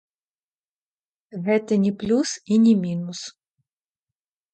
Гэта не плюс і не мінус.